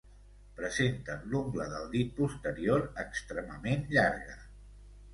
Presenten l'ungla del dit posterior extremament llarga.